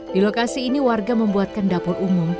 di lokasi ini warga membuatkan dapur umum